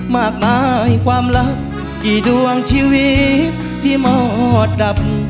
มากมายความรักกี่ดวงชีวิตที่หมอดับ